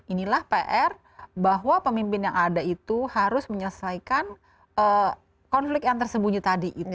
inilah pr bahwa pemimpin yang ada itu harus menyelesaikan konflik yang tersembunyi tadi